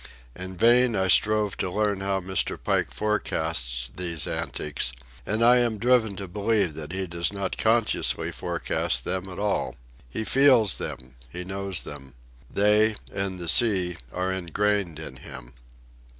In vain I strove to learn how Mr. Pike forecasts these antics, and I am driven to believe that he does not consciously forecast them at all. He feels them; he knows them. They, and the sea, are ingrained in him.